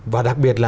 và đặc biệt là